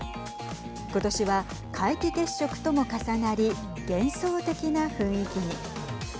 今年は皆既月食とも重なり幻想的な雰囲気に。